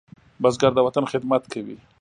بزګر د وطن خدمت کوي